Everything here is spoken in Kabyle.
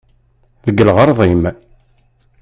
Deg lɣeṛḍ-im!